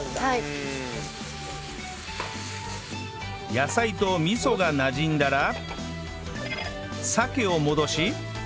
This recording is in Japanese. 野菜と味噌がなじんだら鮭を戻し